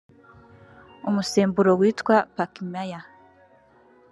umusemburo witwa Pakmaya